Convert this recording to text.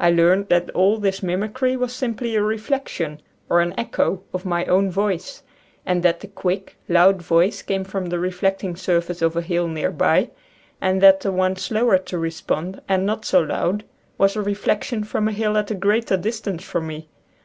I learned that all this mimicry was simply a reflection, or an echo, of my own voice, and that the quick, loud voice came from the reflecting surface of a hill near by, and that the one slower to re spond and not so loud was a reflection from a hill at a greater distance from me.